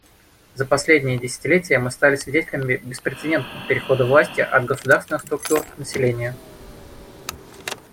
За последнее десятилетие мы стали свидетелями беспрецедентного перехода власти от государственных структур населению.